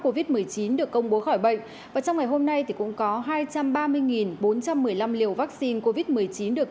covid một mươi chín được công bố khỏi bệnh và trong ngày hôm nay thì cũng có hai trăm ba mươi bốn trăm một mươi năm liều vaccine covid một mươi chín được